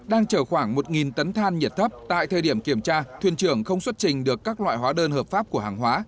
đang chở khoảng một tấn than nhiệt thấp tại thời điểm kiểm tra thuyền trưởng không xuất trình được các loại hóa đơn hợp pháp của hàng hóa